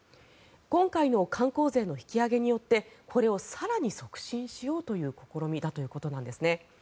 今回の観光税の引き上げによってこれを更に促進しようという試みだということです。